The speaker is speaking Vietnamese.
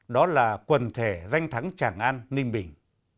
đó là quần thể danh thắng tràng an ninh bình